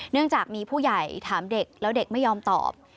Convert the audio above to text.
เนื่องจากมีผู้ใหญ่ถามเด็กแล้วเด็กไม่ยอมตอบ